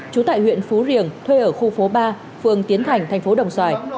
chú tại huyện phú riềng thuê ở khu phố ba phường tiến thành tp đồng xoài